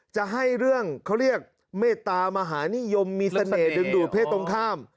จะให้เรื่องเขาเรียกเมตตามหานิยมมีเสน่หดึงดูดเพศตรงข้าม